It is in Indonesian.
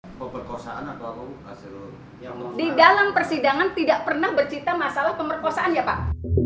pemerkosaan atau di dalam persidangan tidak pernah bercerita masalah pemerkosaan ya pak